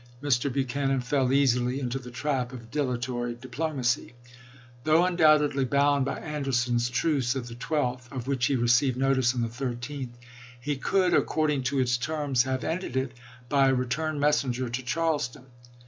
Mr. Buchanan fell easily into the trap of dilatory diplomacy. Though un doubtedly bound by Anderson's truce of the 12th, of which he received notice on the 13th, he could, according to its terms, have ended it by a re turn messenger to Charleston.